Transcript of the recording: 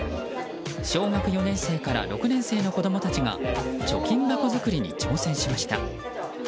小学４年生から６年生の子供たちが貯金箱作りに挑戦しました。